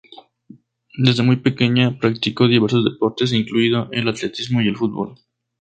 Desde muy pequeña practicó diversos deportes incluido el atletismo y el fútbol.